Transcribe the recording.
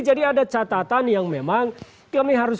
jadi ada catatan yang memang kami harus